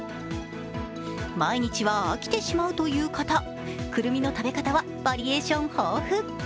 毎日は飽きてしまうという方、くるみの食べ方はバリエーション豊富。